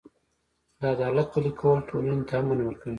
د عدالت پلي کول ټولنې ته امن ورکوي.